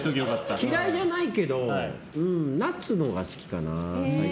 嫌いじゃないけどナッツのほうが好きかな、最近。